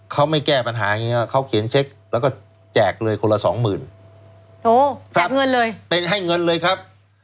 เขาไม่แก้ปัญหาอย่างนี้เขาเขียนเช็คแล้วก็แจกเลยคนละสองหมื่นโถแจกเงินเลยไม่ให้เงินเลยครับ